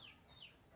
jadi misalkan ini